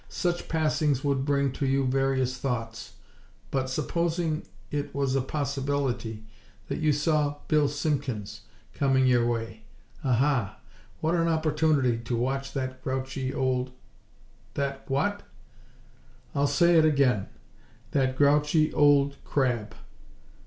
Such passings would bring to you various thoughts. But, supposing it was a possibility that you saw Bill Simpkins coming your way. Aha! What an opportunity to watch that grouchy old " "That what?" "I'll say it again: that grouchy old crab.